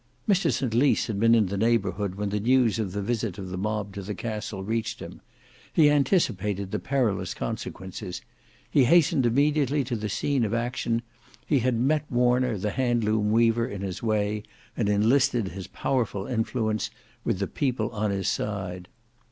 Mr St Lys had been in the neighbourhood when the news of the visit of the mob to the castle reached him. He anticipated the perilous consequences. He hastened immediately to the scene of action. He had met Warner the handloom weaver in his way, and enlisted his powerful influence with the people on his side.